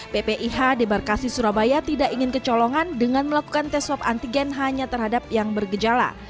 ppih debarkasi surabaya tidak ingin kecolongan dengan melakukan tes swab antigen hanya terhadap yang bergejala